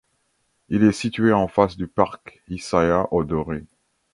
Il est situé en face du parc Hisaya Ōdori.